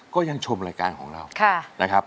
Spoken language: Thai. ก็ยังชมรายการของเรา